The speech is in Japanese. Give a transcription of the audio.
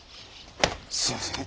すいません。